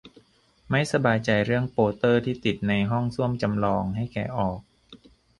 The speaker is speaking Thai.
ไม่สบายใจเรื่องโปเตอร์ที่ติดในห้องส้วมจำลอง ให้แกะออก